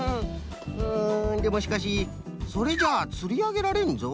うんでもしかしそれじゃあつりあげられんぞ。